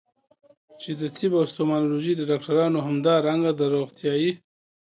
چې د طب او ستوماتولوژي د ډاکټرانو او همدارنګه د روغتيايي